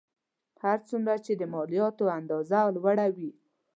هر څومره چې د مالیاتو اندازه لوړه وي